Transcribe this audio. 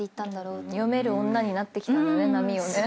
読める女になってきたんだね波をね。